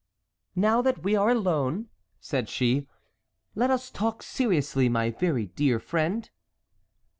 "Now that we are alone," said she, "let us talk seriously, my very dear friend."